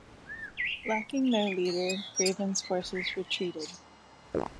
Lacking their leader, Grayven's forces retreated.